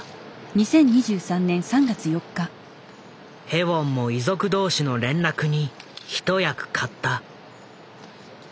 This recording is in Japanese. ヘウォンも遺族同士の連絡に一役買った。